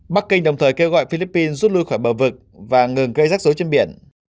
bắc kinh đồng thời kêu gọi philippines rút lui khỏi bờ vực và ngừng gây rắc rối trên biển